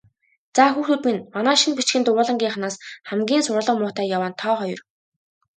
Заа, хүүхдүүд минь, манай шинэ бичгийн дугуйлангийнхнаас хамгийн сурлага муутай яваа нь та хоёр.